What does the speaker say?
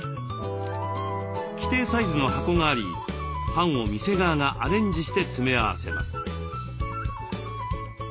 既定サイズの箱がありパンを店側がアレンジして詰め合わせます。